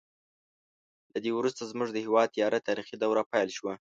له دې وروسته زموږ د هېواد تیاره تاریخي دوره پیل شوه.